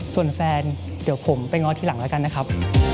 ส่วนแฟนเดี๋ยวผมไปง้อที่หลังแล้วกันนะครับ